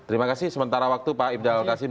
terima kasih sementara waktu pak ifdal qasim